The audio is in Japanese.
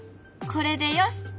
これでよし！